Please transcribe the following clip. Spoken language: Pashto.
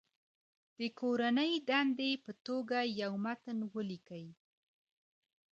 د کورنۍ دندې په توګه یو متن ولیکئ.